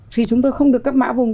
thì chúng tôi không được cấp mã vùng